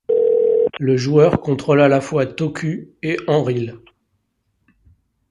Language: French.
Le joueur contrôle à la fois Toku et Enril.